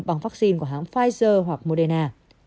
bằng vaccine của hãng pfizer hoặc moderna